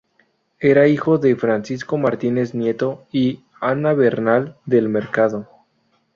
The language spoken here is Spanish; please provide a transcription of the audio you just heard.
Era hijo de Francisco Martínez Nieto y Ana Bernal del Mercado.